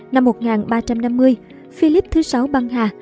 năm một nghìn ba trăm năm mươi philip vi băng hà